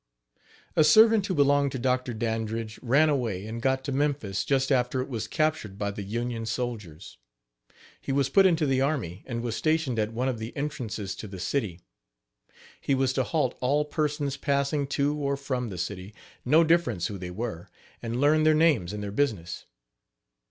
H2> A servant who belonged to Dr. Dandridge ran away and got to Memphis just after it was captured by the Union soldiers. He was put into the army and was stationed at one of the entrances to the city. He was to halt all persons passing to or from the city, no difference who they were, and learn their names and their business.